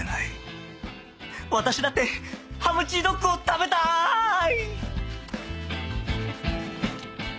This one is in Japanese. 私だってハムチードッグを食べたーい！